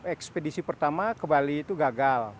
ekspedisi pertama ke bali itu gagal